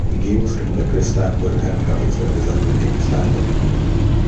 The game was written by Chris Stamper and graphics were designed by Tim Stamper.